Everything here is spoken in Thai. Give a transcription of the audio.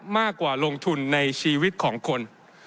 มากกว่าลงทุนในชีวิตของคน